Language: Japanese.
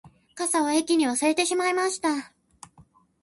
傘を駅に忘れてしまいました